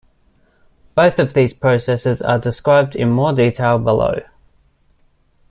Both of these processes are described in more detail below.